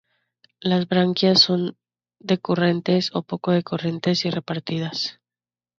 Las branquias son decurrentes o poco decurrentes, y repartidas.